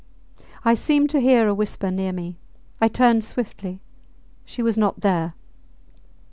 ... I seemed to hear a whisper near me. I turned swiftly. She was not there!